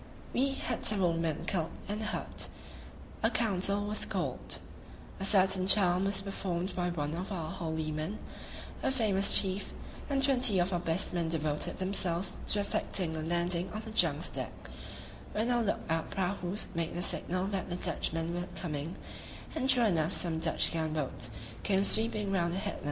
We had several men killed and hurt; a council was called; a certain charm was performed by one of our holy men, a famous chief, and twenty of our best men devoted themselves to effecting a landing on the junk's deck, when our look out prahus made the signal that the Dutchmen were coming; and sure enough some Dutch gun boats came sweeping round a headland.